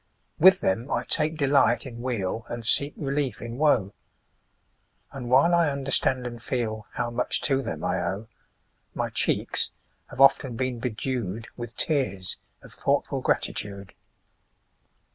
With them I take delight in weal And seek relief in woe; And while I understand and feel How much to them I owe, 10 My cheeks have often been bedew'd With tears of thoughtful gratitude.